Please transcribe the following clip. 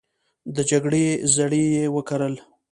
د جګړې زړي یې وکرل